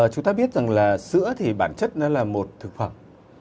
chúng ta biết rằng là sữa thì bản chất nó là một thực phẩm